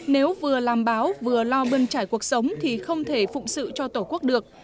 nếu vừa làm báo vừa lo bơn trải cuộc sống thì không thể phụng sự cho tổ quốc được